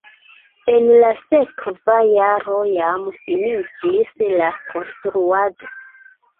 En la sekva jaro jam finiĝis la konstruado.